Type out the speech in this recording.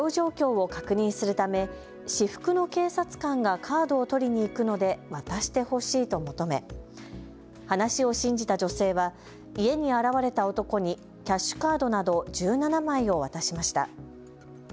男は、きょう中に利用状況を確認するため私服の警察官がカードを取りに行くので渡してほしいと求め話を信じた女性は家に現れた男にキャッシュカードなど１７枚を渡しました。